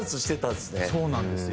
そうなんですよ。